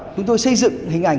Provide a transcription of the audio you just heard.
chúng tôi xây dựng hình ảnh